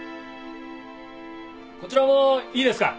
こちらもいいですか？